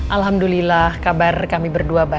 alhamdulillah kabar kami berdua